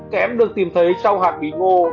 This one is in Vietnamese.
kém được tìm thấy trong hạt bí ngô